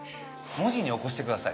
文字に起こしてください。